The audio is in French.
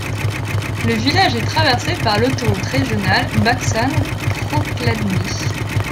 Le village est traversé par l'autoroute régionale Baksan-Prokhladny.